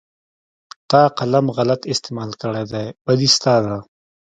تا قلم غلط استعمال کړى دى بدي ستا ده.